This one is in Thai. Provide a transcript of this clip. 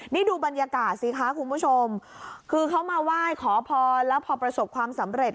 นี่ดูบรรยากาศสิคะคุณผู้ชมคือเขามาไหว้ขอพรแล้วพอประสบความสำเร็จ